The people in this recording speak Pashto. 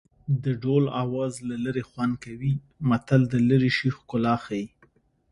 د ډول آواز له لرې ښه خوند کوي متل د لرې شي ښکلا ښيي